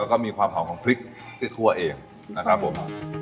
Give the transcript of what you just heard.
แล้วก็มีความหอมของพริกที่คั่วเองนะครับผม